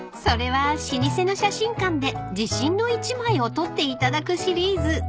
［それは老舗の写真館で自信の一枚を撮っていただくシリーズ］